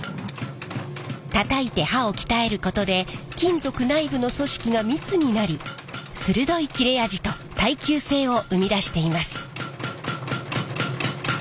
たたいて刃を鍛えることで金属内部の組織が密になり鋭い切れ味と耐久性を生み出しています。